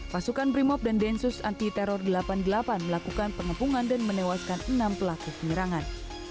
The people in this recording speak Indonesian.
pasukan brimob dan densus anti teror delapan puluh delapan melakukan pengepungan dan menewaskan enam pelaku penyerangan